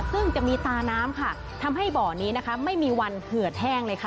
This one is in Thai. ซึ่งจะมีตาน้ำค่ะทำให้บ่อนี้นะคะไม่มีวันเหือดแห้งเลยค่ะ